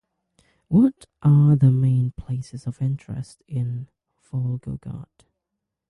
What are the main places of interest in Volgograd?